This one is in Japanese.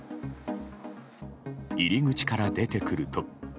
入り口から出てくると。